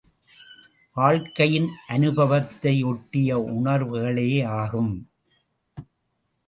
வாழ்க்கையின் அனுபவத்தையொட்டிய உணர்வுகளேயாகும்.